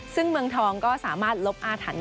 ซึ่งเมืองทองก็สามารถลบอาถรรพ์